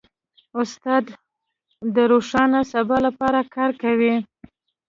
استاد د روښانه سبا لپاره کار کوي.